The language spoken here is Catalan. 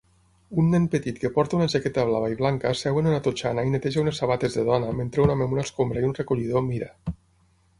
Un nen petit que porta una jaqueta blava i blanca seu en una totxana i neteja unes sabates de dona mentre un home amb una escombra i un recollidor mira